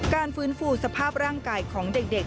การฟื้นฟูสภาพร่างกายของเด็ก